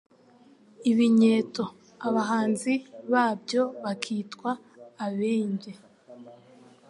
Ibinyeto,” abahanzi babyo bakitwa “Abenge”.